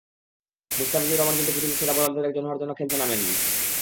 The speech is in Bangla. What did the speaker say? মুস্তাফিজুর রহমান কিন্তু পৃথিবীর সেরা বোলারদের একজন হওয়ার জন্য খেলতে নামেননি।